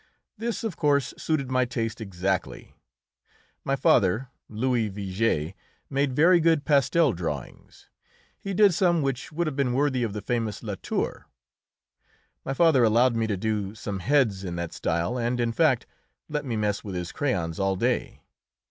This, of course, suited my taste exactly. My father, Louis Vigée, made very good pastel drawings; he did some which would have been worthy of the famous Latour. My father allowed me to do some heads in that style, and, in fact, let me mess with his crayons all day.